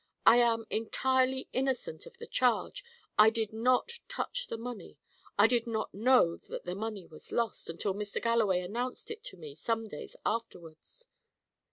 I am entirely innocent of the charge. I did not touch the money; I did not know that the money was lost, until Mr. Galloway announced it to me some days afterwards."